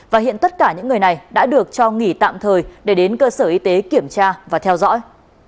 và hiện tất cả những người này đã được cho nghỉ tạm thời để đến cơ sở y tế kiểm tra và theo dõi